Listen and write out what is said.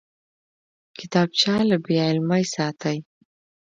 کتابچه له بېعلمۍ ساتي